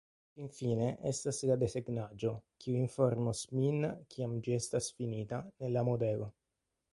Finfine estas la desegnaĵo, kiu informos min, kiam ĝi estas finita, ne la modelo.